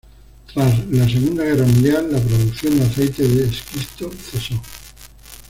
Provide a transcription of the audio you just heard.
Tras la Segunda Guerra Mundial, la producción de aceite de esquisto cesó.